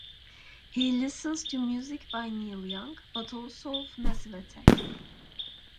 He listens to music by Neil Young, but also of Massive Attack.